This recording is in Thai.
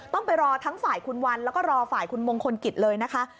ต้องไปรอทั้งฝ่ายคุณวันแล้วก็รอฝ่ายคุณมงคลกิจเลยนะคะ